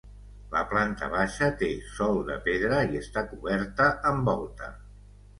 La planta baixa té sòl de pedra i està coberta amb volta.